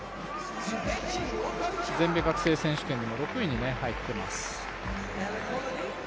全米学生選主権でも６位に入っています。